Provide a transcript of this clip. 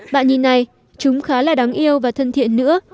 bạn nhìn này chúng khá là đáng yêu và thân thiện nữa